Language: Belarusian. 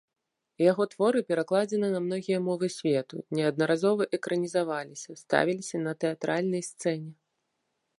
Яго творы перакладзены на многія мовы свету, неаднаразова экранізаваліся, ставіліся на тэатральнай сцэне.